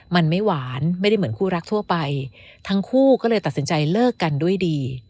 มันไม่หวานไม่ได้เหมือนคู่รักทั่วไปทั้งคู่ก็เลยตัดสินใจเลิกกันด้วยดี